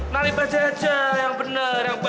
nalip bajaj aja yang bener yang bagus ya